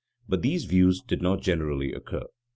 But these views did not generally occur.